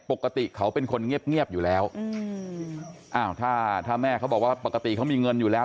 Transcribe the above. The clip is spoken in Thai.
ปกติเขาเป็นคนเงียบเงียบอยู่แล้วถ้าถ้าแม่เขาบอกว่าปกติเขามีเงินอยู่แล้ว